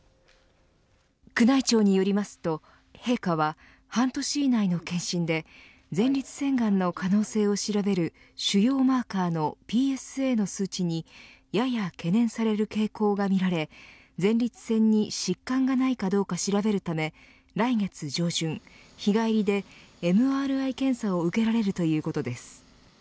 宮内庁によりますと、陛下は半年以内の検診で前立腺がんの可能性を調べる腫瘍マーカーのＰＳＡの数値にやや懸念される傾向がみられ前立腺に疾患がないかどうか調べるため来月上旬、日帰りでＭＲＩ検査を受けられるということです。